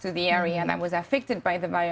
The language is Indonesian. tapi karena tidak ada yang